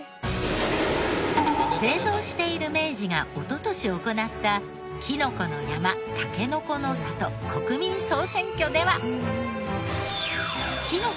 製造している明治がおととし行ったきのこの山・たけのこの里国民総選挙では。